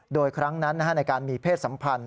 โดยครั้งนั้นในการมีเพศสัมพันธ